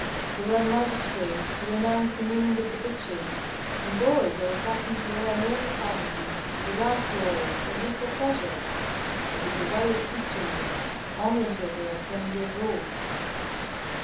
There are magistrates who announce the meaning of the pictures, and boys are accustomed to learn all the sciences, without toil and as if for pleasure; but in the way of history only until they are ten years old.